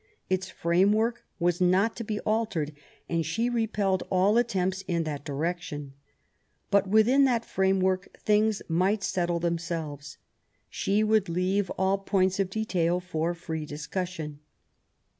Its framework was not to be altered, and she repelled all attempts in that direction ; but within that framework things might settle them selves ; she would leave all points of detail for free discussion.